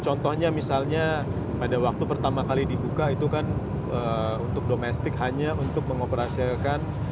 contohnya misalnya pada waktu pertama kali dibuka itu kan untuk domestik hanya untuk mengoperasikan